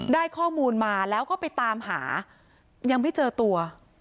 ได้ข้อมูลมาแล้วก็ไปตามหายังไม่เจอตัว